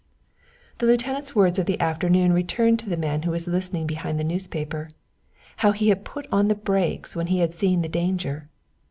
The lieutenant's words of the afternoon returned to the man who was listening behind the newspaper, how he had put on the brakes when he had seen the danger.